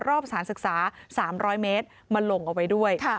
รอบสารศึกษา๓๐๐เมตรมาลงเอาไว้ด้วย